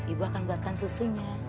ibu akan buatkan susunya